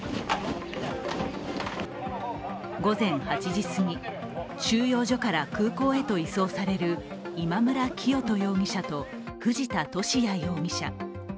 午前８時すぎ、収容所から空港へと移送される今村磨人容疑者と藤田聖也容疑者。